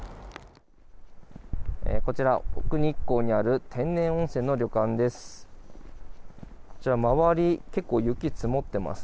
こちら、奥日光にある天然温泉の旅館です。